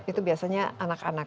itu biasanya anak anak